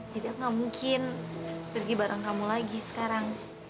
tidak mungkin pergi bareng kamu lagi sekarang